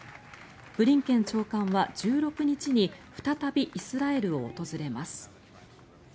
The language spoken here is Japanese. ブリンケン長官は１６日に再びイスラエルを訪れます。